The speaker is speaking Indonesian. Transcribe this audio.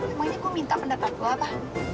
emangnya gue minta pendapat gue apa